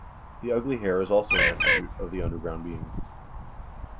The ugly hair is also an attribute of the underground beings."